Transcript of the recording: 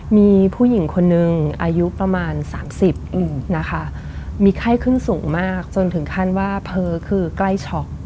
มีผู้หญิงคนนึงอายุประมาณ๓๐นะคะมีไข้ขึ้นสูงมากจนถึงขั้นว่าเผลอคือใกล้ช็อก